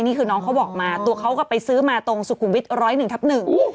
นี่คือน้องเขาบอกมาตัวเขาก็ไปซื้อมาตรงสุขุมวิทย์ร้อยหนึ่งทับหนึ่ง